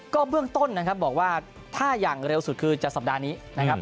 ก็เบื้องต้นนะครับบอกว่าถ้าอย่างเร็วสุดคือจะสัปดาห์นี้นะครับ